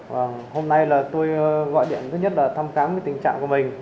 vâng hôm nay là tôi gọi điện thứ nhất là thăm khám cái tình trạng của mình